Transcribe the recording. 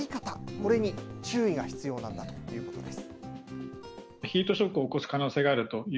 これに注意が必要なんだということです。